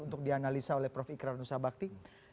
untuk dianalisa oleh prof ikrar nusa bakti